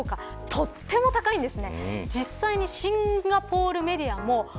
とても高いんです。